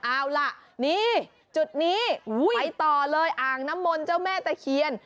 เอาล่ะนี่จุดนี้ไปต่อเลยอ่างน้ำมนต์เจ้าแม่ตะเคียน